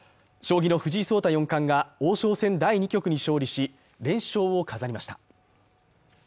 将棋の藤井聡太四冠が王将戦第２局に勝利し、連勝を飾りました。